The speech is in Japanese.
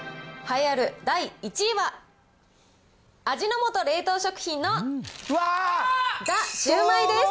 栄えある第１位は、味の素冷凍食品のザ・シュウマイです。